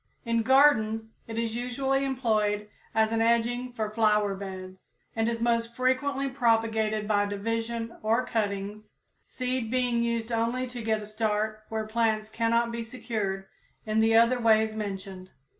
In gardens it is usually employed as an edging for flower beds, and is most frequently propagated by division or cuttings, seed being used only to get a start where plants cannot be secured in the other ways mentioned.